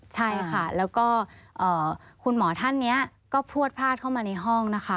ใช่ค่ะแล้วก็คุณหมอท่านนี้ก็พลวดพลาดเข้ามาในห้องนะคะ